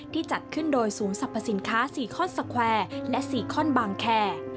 ที่จัดขึ้นโดยสูงสรรพสินค้า๔ข้อนสเกวร์และ๔ข้อนบางแคร่